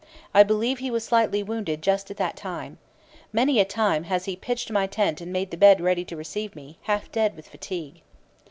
I believe he was slightly wounded just at that time. Many a time has he pitched my tent and made the bed ready to receive me, half dead with fatigue.'